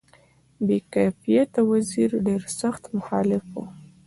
بې کفایته وزیر ډېر سخت مخالف وو.